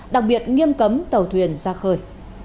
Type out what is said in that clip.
đặc biệt nghiêm cấm tàu thuyền ra khơi